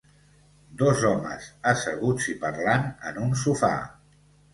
Dos homes asseguts i parlant en un sofà.